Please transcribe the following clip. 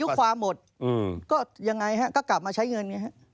ถ้าอายุความหมดก็ยังไงฮะก็กลับมาใช้เงิน